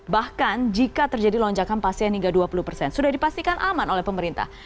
bahkan jika terjadi lonjakan pasien hingga dua puluh persen sudah dipastikan aman oleh pemerintah